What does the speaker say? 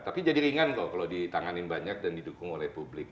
tapi jadi ringan kok kalau ditanganin banyak dan didukung oleh publik